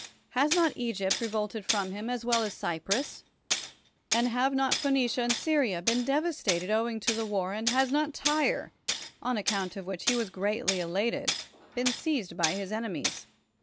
Has not Egypt re volted from him, as well as Cyprus ; and have not Phoenicia and Syria been devastated owing to the war; and has not Tyre, on account of which he was greatly elated, been seized by his enemies?